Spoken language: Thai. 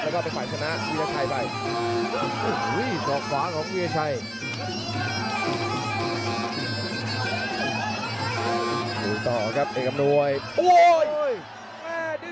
แล้วก็ไปไหว้ชนะวิลชัยไป